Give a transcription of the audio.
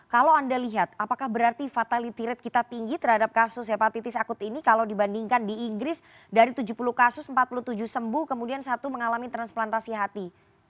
kalau anda lihat apakah berarti fatality rate kita tinggi terhadap kasus hepatitis akut ini kalau dibandingkan di inggris dari tujuh puluh kasus empat puluh tujuh sembuh kemudian satu mengalami transplantasi hati